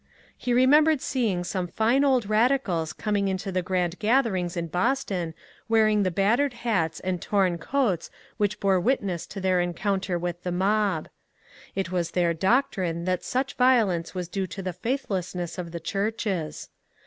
He re membered seeing some fine old radicals coming into the grand gatherings in Boston wearing the battered hats and torn coats which bore witness to their encounter with the mob. It was their doctrine that such violence was due to the faithlessness of the churches.